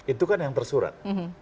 itu kan yang tersurat